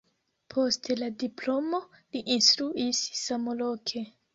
Post la diplomo li instruis samloke.